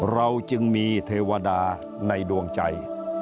เราจึงมีเทวดาในดวงใจ